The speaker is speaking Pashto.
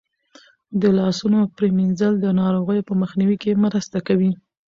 د لاسونو پریمنځل د ناروغیو په مخنیوي کې مرسته کوي.